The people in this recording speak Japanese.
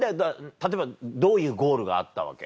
例えばどういうゴールがあったわけ？